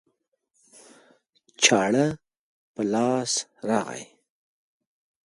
چاړه په لاس راغی